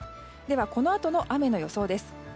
このあとの雨の予想です。